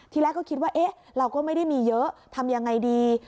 ทีแรกก็คิดว่าเราก็ไม่ได้มีเยอะทำยังไงดี